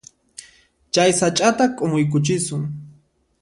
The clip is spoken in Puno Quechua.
Chay sach'ata k'umuykuchisun.